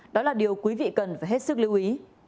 đó là điều quý vị cần phải hết sức lưu ý